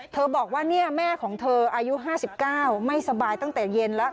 บอกว่าเนี่ยแม่ของเธออายุ๕๙ไม่สบายตั้งแต่เย็นแล้ว